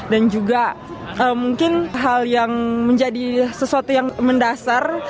dan juga mungkin hal yang menjadi sesuatu yang mendasar